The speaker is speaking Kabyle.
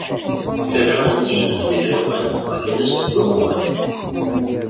Iferrawen n tejnant d ihrawanen, ɣellin-as deg umwan.